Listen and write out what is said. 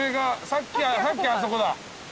さっきあそこだ。